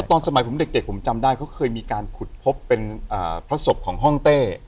ตอนสมัยผมเด็กผมจำได้เขาเคยมีการขุดพบเป็นพระศพของห้องเต้